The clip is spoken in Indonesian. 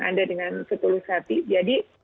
anda dengan setulus hati jadi